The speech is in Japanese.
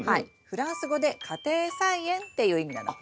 フランス語で家庭菜園っていう意味なの。